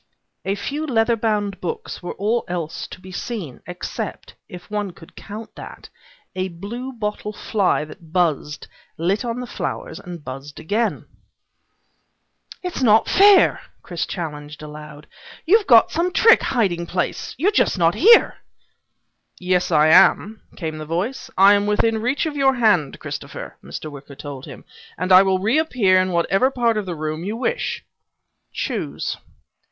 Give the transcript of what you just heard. A few leather bound books were all else to be seen, except if one could count that a bluebottle fly that buzzed, lit on the flowers, and buzzed again. "It's not fair!" Chris challenged aloud. "You've got some trick hiding place. You're just not here." "Yes I am," came the voice. "I am within reach of your hand, Christopher," Mr. Wicker told him. "And I will reappear in whatever part of the room you wish. Choose."